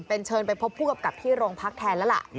เป็นเชิญไปพบผู้กำกับที่โรงพักแทนแล้วล่ะ